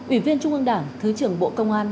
ủy viên trung ương đảng thứ trưởng bộ công an